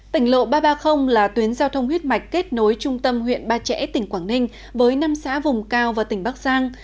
tỉnh lộ ba trăm ba mươi là tuyến giao thông huyết mạch kết nối trung tâm huyện ba trẻ tỉnh quảng ninh với năm xã vùng cao và tỉnh bắc giang